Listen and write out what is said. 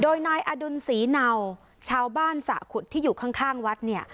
โดยนายอดุลศรีเนาชาวบ้านสะขุดที่อยู่ข้างวัดเนี่ย